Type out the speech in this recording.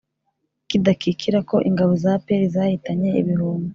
kidakikira ko ingabo za apr zahitanye ibihumbi